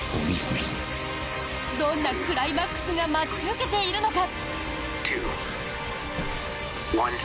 どんなクライマックスが待ち受けているのか？